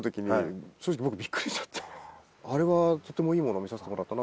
あれはとてもいいものを見させてもらったなと。